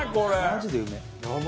マジでうめえ。